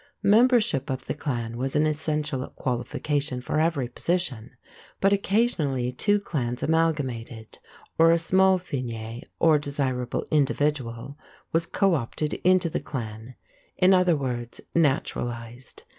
Membership of the clan was an essential qualification for every position; but occasionally two clans amalgamated, or a small fine, or desirable individual, was co opted into the clan in other words, naturalized.